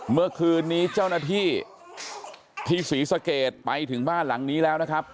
เมื่อคืนนี้เจ้าหน้าที่ที่ศรีสะเกดไปถึงบ้านหลังนี้แล้วนะครับ